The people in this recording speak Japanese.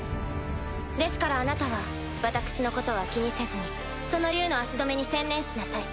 ですからあなたは私のことは気にせずにその竜の足止めに専念しなさい。